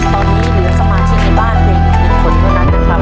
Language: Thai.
ตอนนี้เหลือสมาชิกในบ้านเพียง๑คนเท่านั้นนะครับ